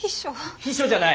秘書じゃない。